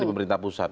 di pemerintah pusat